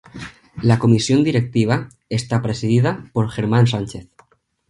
La comisión directiva está presidida por Germán Sánchez.